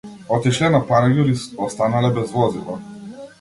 Отишле на панаѓур и останале без возила